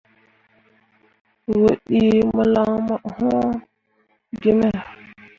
Wǝ ɗii malan wũũ gime.